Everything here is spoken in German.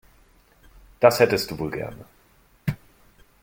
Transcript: Das hättest du wohl gerne.